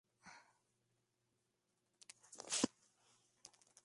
Por ello su ropa les cubre hasta los pies.